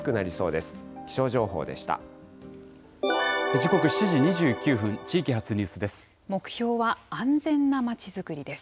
時刻７時２９分、地域発ニュースです。